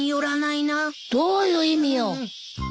どういう意味よ！？